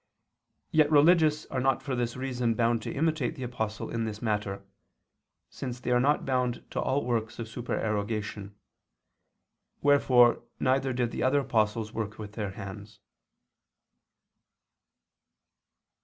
Yet religious are not for this reason bound to imitate the Apostle in this matter, since they are not bound to all works of supererogation: wherefore neither did the other apostles work with their hands.